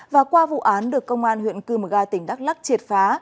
và qua vụ án được công an huyện cư mà gai tỉnh đắk lắc triệt phá